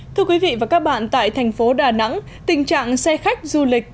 thưa quý vị và các bạn tại thành phố đà nẵng tình trạng xe khách du lịch